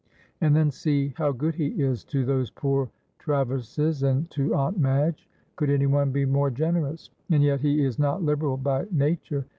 And then see how good he is to those poor Traverses and to Aunt Madge. Could anyone be more generous. And yet he is not liberal by nature.